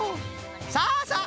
さあさあ